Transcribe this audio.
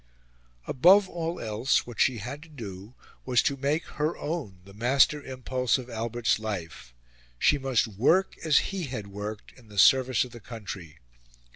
Above all else, what she had to do was to make her own the master impulse of Albert's life she must work, as he had worked, in the service of the country.